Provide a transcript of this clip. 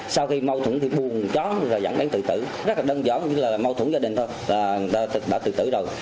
sau khi mâu thủng thì buồn chó và dẫn đến tự tử rất là đơn giản như là mâu thủng gia đình thôi là người ta đã tự tử rồi